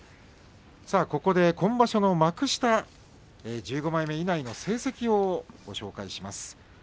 今場所の幕下１５枚目以内の成績をご紹介します。